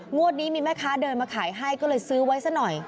งวดนี้มีแม่ค้าเดินมาขายให้ก็เลยซื้อไว้ซะหน่อย